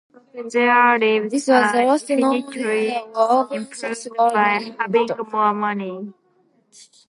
This was the last known LinuxWorld or OpenSource World event.